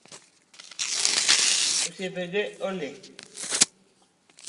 Osiepe ge ole